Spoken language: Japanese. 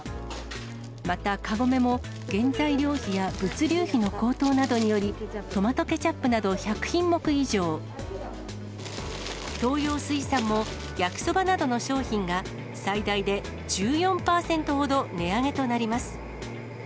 またカゴメも、原材料費や物流費の高騰などにより、トマトケチャップなど１００品目以上、東洋水産も焼きそばなどの商品が最大で１４％ほど値上げとなります。